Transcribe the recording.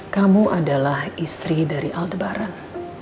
kamu adalah istri dari aldebaran